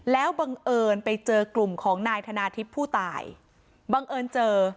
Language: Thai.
แล้วบังเอิญไปเจอกลุ่มของนายธนาทิพย์ผู้ตายบังเอิญเจอ